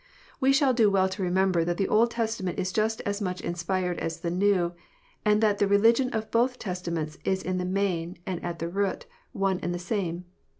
We shall do well to remember that the Old Testament is just as much inspired as the New, and that the religion of both Testaments is in the main, and at the root, one and the same.